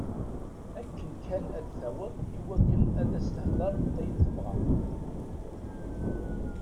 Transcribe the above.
Akken kan ad taweḍ iwakken ad as-d-tehder ayen tebɣa.